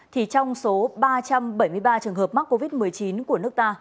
thì trong số ba trăm bảy mươi ba trường hợp mắc covid một mươi chín của nước ta